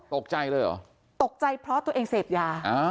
ตกใจเลยเหรอตกใจเพราะตัวเองเสพยา